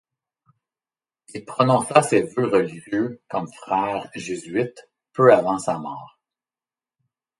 Il prononça ses vœux religieux comme frère jésuite peu avant sa mort.